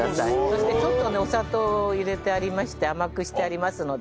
そしてちょっとねお砂糖を入れてありまして甘くしてありますので。